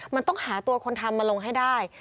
มันต้องหาตัวคนทำมาลงให้ได้